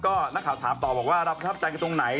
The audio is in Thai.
ก็นักข่าวถามต่อบอกว่าเราประทับใจกันตรงไหน